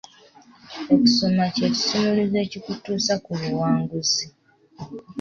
Okusoma kye kisumuluzo ekikutuusa ku buwanguzi.